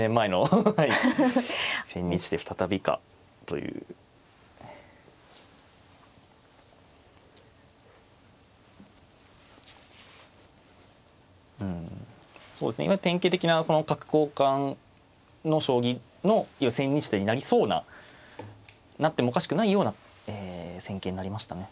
うん意外と典型的な角交換の将棋の千日手になりそうななってもおかしくないような戦型になりましたね。